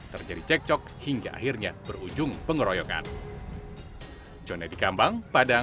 terjadi cekcok hingga akhirnya berujung pengeroyokan